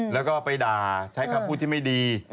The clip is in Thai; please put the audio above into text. แล้วก็ไปด่าใช้คำพูดที่ไม่ดี